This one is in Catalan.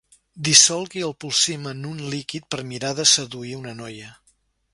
Dissolgui el polsim en un líquid per mirar de seduir una noia.